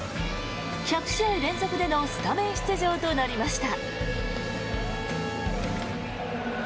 １００試合連続でのスタメン出場となりました。